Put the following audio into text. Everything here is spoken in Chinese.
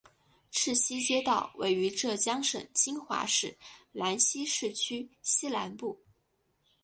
赤溪街道位于浙江省金华市兰溪市区西南部。